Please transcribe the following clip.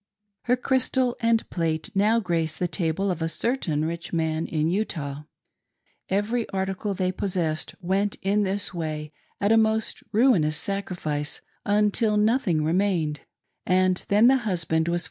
Her crystal and plate now grace the table of a certain rich man in Utah. Every article they possessed went in this way at a most ruinous sacrifice, until nothing remained, and then the husband was.